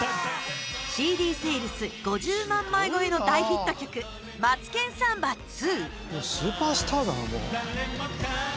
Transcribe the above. ＣＤセールス５０万枚超えの大ヒット曲「マツケンサンバ２」。